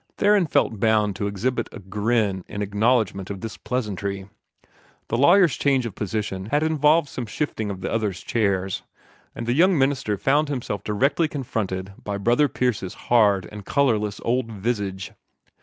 Theron felt bound to exhibit a grin in acknowledgment of this pleasantry. The lawyer's change of position had involved some shifting of the others' chairs, and the young minister found himself directly confronted by Brother Pierce's hard and colorless old visage.